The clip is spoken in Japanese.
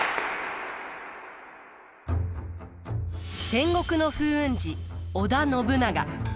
戦国の風雲児織田信長。